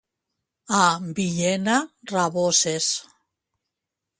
A Villena, raboses.